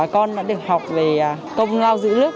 con đã được học về công lao dữ lước